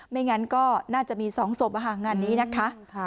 ไม่งั้นก็น่าจะมี๒ศพงานนี้นะคะ